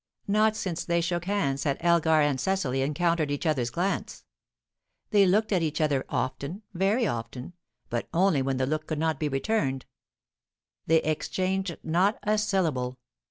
Not since they shook hands had Elgar and Cecily encountered each other's glance. They looked at each other often, very often, but only when the look could not be returned; they exchanged not a syllable.